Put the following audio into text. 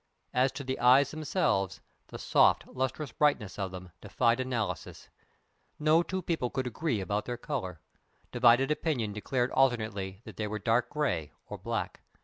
As to the eyes themselves, the soft, lustrous brightness of them defied analysis No two people could agree about their color; divided opinion declaring alternately that they were dark gray or black.